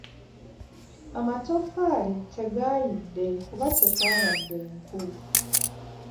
Amatoffaali tegaayidde kuba tekwabadde nku.